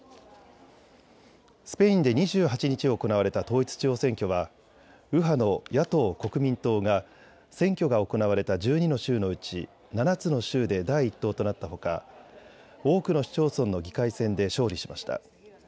スペインで２８日行われた統一地方選挙は右派の野党・国民党が選挙が行われた１２の州のうち７つの州で第一党となったほか多くの市町村の議会選で勝利しました。